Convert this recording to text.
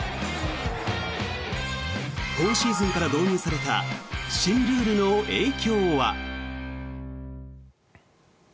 今シーズンから導入された新ルールの影響は？